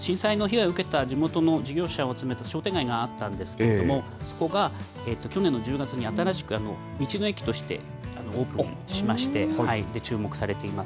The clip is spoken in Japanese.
震災の被害を受けた地元の事業者を集めた商店街があったんですけども、そこが去年の１０月に、新しく道の駅としてオープンしまして、注目されています。